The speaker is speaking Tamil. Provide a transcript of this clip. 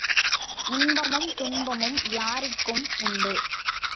இன்பமும் துன்பமும் யாருக்கும் உண்டு.